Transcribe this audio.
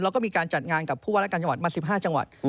แล้วก็มีการจัดงานกับผู้ว่าและการจังหวัดมา๑๕จังหวัด